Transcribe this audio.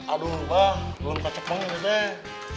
aduh mbah belum kecepen